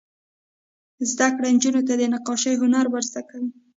زده کړه نجونو ته د نقاشۍ هنر ور زده کوي.